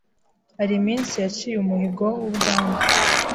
hari iminsi yaciye umuhigo w'ubwandu